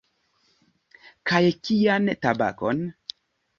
Kaj kian tabakon?